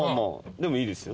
でもいいですよ